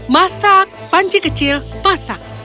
masak panci kecil masak